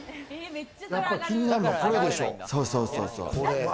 やっぱ気になるのは、これでしょう。